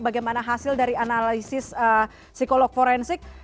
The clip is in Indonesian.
bagaimana hasil dari analisis psikolog forensik